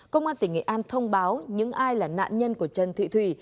công an tỉnh nghệ an thông báo những ai là nạn nhân của trần thị thủy